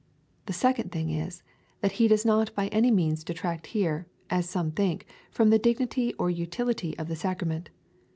The second thing is, that he does not by any means detract here, as some think, from the dignity or utility of the sacrament.